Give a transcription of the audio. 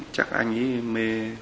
chắc anh ấy mê